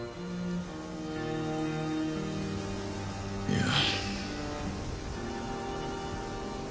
いや。